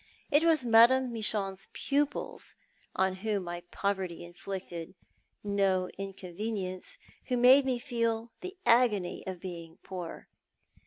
It was ^Imo. Michon's pupils, on whom my poverty inflicted no inconvenience, who made me feel the agony of being poor.